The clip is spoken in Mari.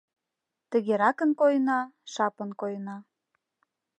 Тыгеракын койына — шапын койына